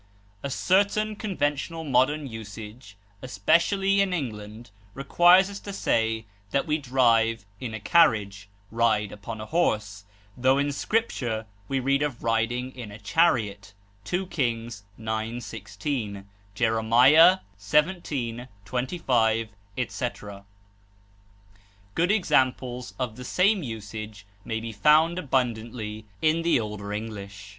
A certain conventional modern usage, especially in England, requires us to say that we drive in a carriage, ride upon a horse; tho in Scripture we read of riding in a chariot (2 Kings ix, 16; Jer. xvii, 25, etc.); good examples of the same usage may be found abundantly in the older English.